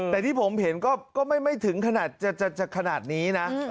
แต่ที่ผมเห็นค่ะก็ไม่ถึงขนาดนี้นะ